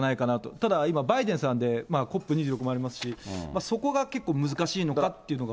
ただ、今、バイデンさんでＣＯＰ２６もありますし、そこが結構、難しいのかなっていうのが。